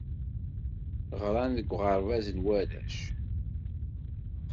Ɣran deg uɣerbaz n warrac.